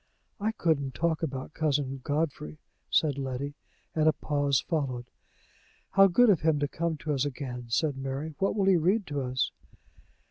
"I couldn't talk about Cousin Godfrey," said Letty; and a pause followed. "How good of him to come to us again!" said Mary. "What will he read to us?"